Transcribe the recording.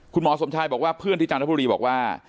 สมชายบอกว่าเพื่อนที่จันทบุรีบอกว่า